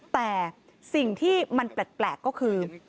แต่สิ่งที่มันแปลกก็คือ